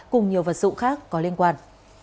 cùng nhiều vật dụng khác có liên quan